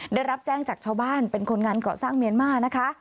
ได้รับแจ้งจากชาวบ้านเป็นคนงานเกาะสร้างเมียนมานะคะ